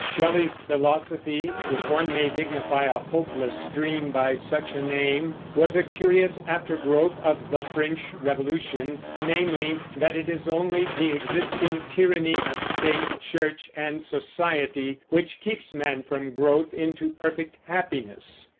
Shelley's philosophy (if one may dignify a hopeless dream by such a name) was a curious aftergrowth of the French Revolution, namely, that it is only the existing tyranny of State, Church, and society which keeps man from growth into perfect happiness.